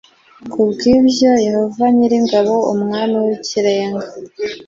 Ku bw ibyo Yehova nyir ingabo Umwami w Ikirenga